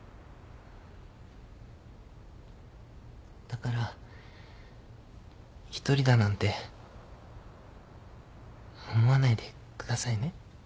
だから一人だなんて思わないでくださいね。